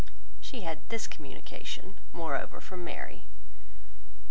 She had this communication, moreover, from Mary.